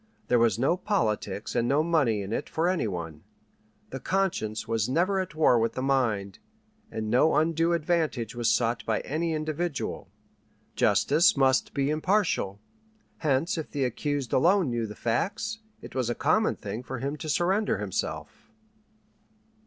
There was no "politics" and no money in it for any one. The conscience was never at war with the mind, and no undue advantage was sought by any individual. Justice must be impartial; hence if the accused alone knew the facts, it was a common thing for him to surrender himself.